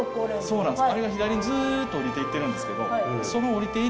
そうなんです。